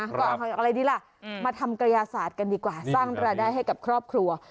ก็เอาอะไรดีล่ะมาทำกระยาศาสตร์กันดีกว่าสร้างรายได้ให้กับครอบครัว